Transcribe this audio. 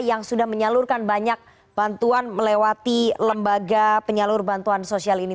yang sudah menyalurkan banyak bantuan melewati lembaga penyalur bantuan sosial ini